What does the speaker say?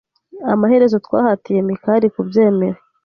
Amaherezo twahatiye Mikali kubyemera.